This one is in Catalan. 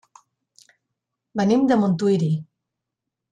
Venim de Montuïri.